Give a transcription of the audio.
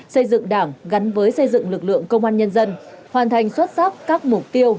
xây dựng đảng gắn với xây dựng lực lượng công an nhân dân hoàn thành xuất sắc các mục tiêu